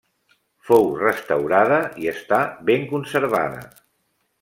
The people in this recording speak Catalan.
Fou restaurada i està ben conservada.